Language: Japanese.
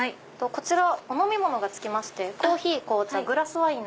こちらお飲み物が付きましてコーヒー紅茶グラスワイン。